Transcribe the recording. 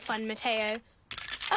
あ！